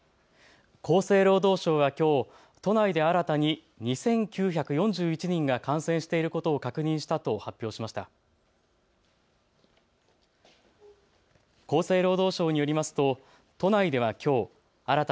厚生労働省はきょう都内で新たに２９４１人が感染していることを確認したと発表しました。